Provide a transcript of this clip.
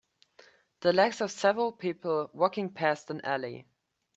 The legs of several people walking past an alley.